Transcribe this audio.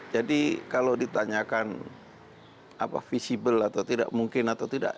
jadi kalau ditanyakan visible atau tidak mungkin atau tidak